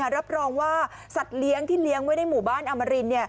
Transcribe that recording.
รับรองว่าสัตว์เลี้ยงที่เลี้ยงไว้ในหมู่บ้านอมริน